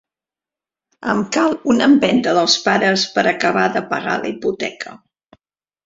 Em cal una empenta dels pares per a acabar de pagar la hipoteca.